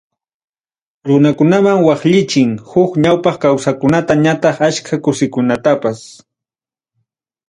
Runakunaman waqllichin, huk ñawpaq kawsaqkunata ñataq achka chusikunatapas.